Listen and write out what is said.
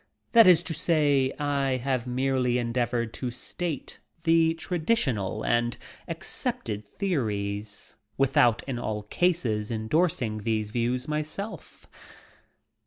That is to say. I have merely endeavoured to state the traditional and accepted theories, without in all cases endorsing these views my self.